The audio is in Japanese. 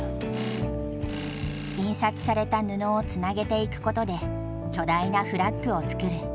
印刷された布をつなげていくことで巨大なフラッグを作る。